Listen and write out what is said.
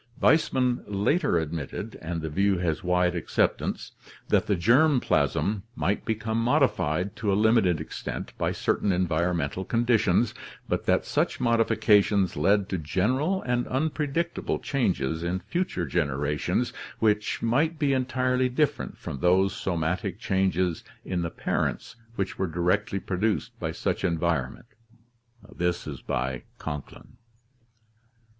Weismann later admitted, and the view has wide acceptance, that the germ plasm might become modified to a limited extent by certain environmental conditions, but that such modifications led to general and unpredictable changes in future generations which might be entirely different from those somatic changes in the parents which were directly produced by such environment (Conklin).